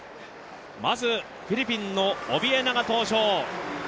まずフィリピンのオビエナが登場。